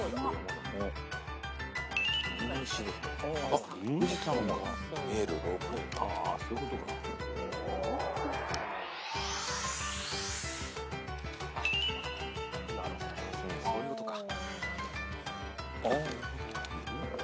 あそういうことか。